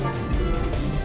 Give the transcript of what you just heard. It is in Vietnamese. chưa hoàn chỉnh như thế here